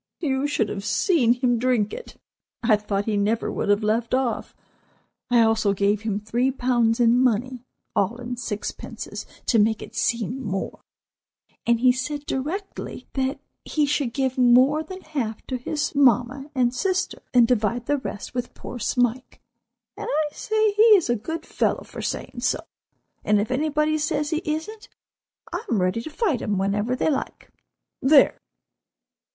You should have seen him drink it. I thought he never would have left off. I also gave him three pounds in money, all in sixpences to make it seem more, and he said directly that he should give more than half to his mamma and sister, and divide the rest with poor Smike. And I say he is a good fellow for saying so; and if anybody says he isn't, I am ready to fight him whenever they like—there!